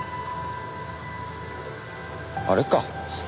あれか。